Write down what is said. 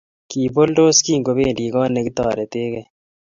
Kiboldos kingobendi kot nekitoretekei